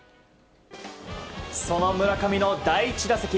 その村上の第１打席。